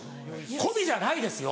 こびじゃないですよ！